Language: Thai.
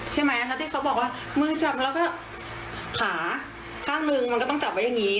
ใช่ไหมแล้วที่เขาบอกว่ามือจับแล้วก็ขาข้างหนึ่งมันก็ต้องจับไว้อย่างนี้